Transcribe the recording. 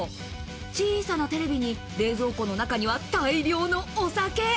小さなテレビに、冷蔵庫の中には大量のお酒。